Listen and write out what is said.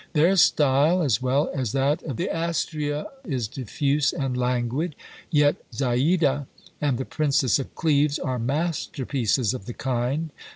Their style, as well as that of the Astrea, is diffuse and languid; yet Zaïde, and the Princess of Cleves, are masterpieces of the kind.